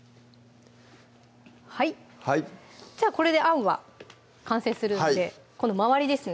はいじゃあこれであんは完成するんで周りですね